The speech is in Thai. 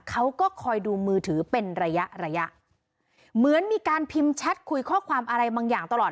เขาก็คอยดูมือถือเป็นระยะระยะเหมือนมีการพิมพ์แชทคุยข้อความอะไรบางอย่างตลอด